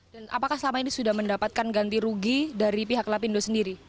dan apakah selama ini sudah mendapatkan ganti rugi dari pihak lapindo sendiri